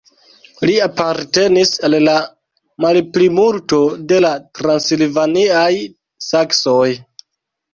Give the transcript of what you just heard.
Li apartenis al la malplimulto de la transilvaniaj saksoj.